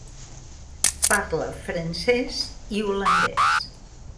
Parla francès i holandès.